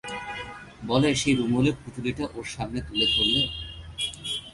বলে সেই রুমালের পুঁটুলিটা ওর সামনে তুলে ধরলে।